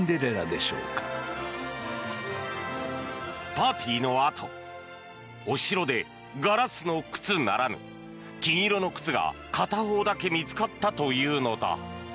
パーティーのあとお城でガラスの靴ならぬ金色の靴が片方だけ見つかったというのだ。